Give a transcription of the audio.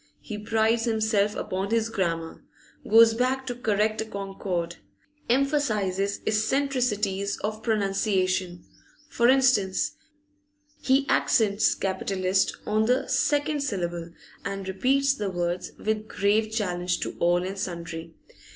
He prides himself upon his grammar, goes back to correct a concord, emphasises eccentricities of pronunciation; for instance, he accents 'capitalist' on the second syllable, and repeats the words with grave challenge to all and sundry.